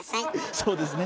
そうですね。